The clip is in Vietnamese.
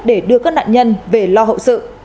để đưa các nạn nhân về lo hậu sự